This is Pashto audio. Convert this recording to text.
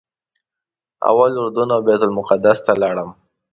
اول اردن او بیت المقدس ته لاړم.